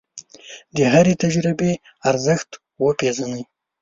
د هرې تجربې ارزښت وپېژنئ.